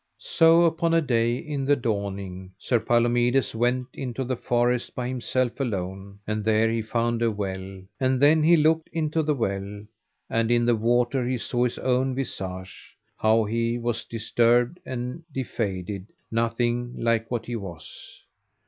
So upon a day, in the dawning, Sir Palomides went into the forest by himself alone; and there he found a well, and then he looked into the well, and in the water he saw his own visage, how he was disturbed and defaded, nothing like that he was.